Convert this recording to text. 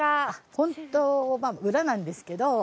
ホント裏なんですけど。